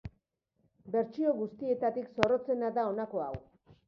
Bertsio guztietatik zorrotzena da honako hau.